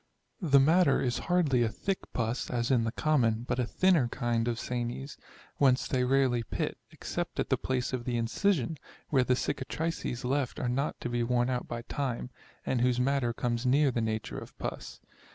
The matter is hardly a thick pus, as in the common, but a thinner kind of sanies ; whence they rarely pit, except at the place of the incision, where the cicatrices left are not to be worn out by time, and whose matter comes near the nature of pus.